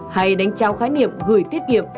hay đánh trao khái niệm gửi tiết kiệm